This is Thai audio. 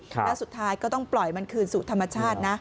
และสุดท้ายก็ต้องปล่อยมันคืนสู่ธรรมชาตินะ